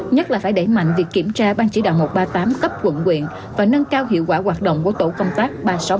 nhất là phải đẩy mạnh việc kiểm tra ban chỉ đạo một trăm ba mươi tám cấp quận quyện và nâng cao hiệu quả hoạt động của tổ công tác ba trăm sáu mươi tám